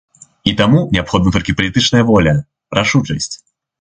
І таму неабходна толькі палітычная воля, рашучасць.